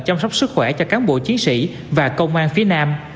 chăm sóc sức khỏe cho cán bộ chiến sĩ và công an phía nam